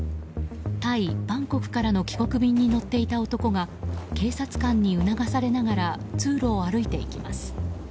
タイ・バンコクからの帰国便に乗っていた男が警察官に促されながら通路を歩いていきます。